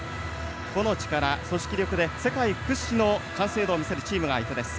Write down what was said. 個の力、組織力で世界屈指の完成度のチームが相手です。